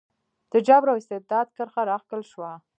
د جبر او استبداد کرښه راښکل شوه.